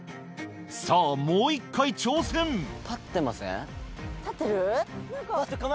さぁもう１回挑戦立ってる？